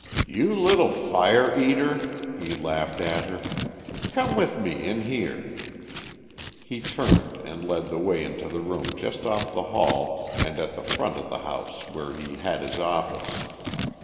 "You little fire eater!" he laughed at her. "Come with me in here." He turned and led the way into the room just off the hall and at the front of the house where he had his office.